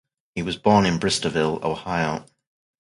He was born in Bristolville, Ohio.